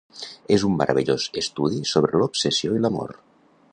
És un meravellós estudi sobre l'obsessió i l'amor.